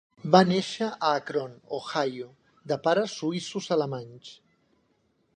Va néixer a Akron, Ohio, de pares suïssos-alemanys.